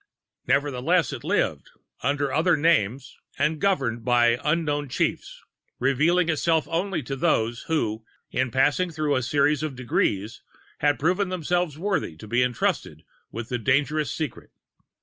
Nevertheless it lived, under other names and governed by unknown Chiefs, revealing itself only to those, who, in passing through a series of Degrees, had proven themselves worthy to be entrusted with the dangerous Secret.